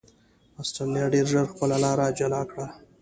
اسټرالیا ډېر ژر خپله لار جلا کړه.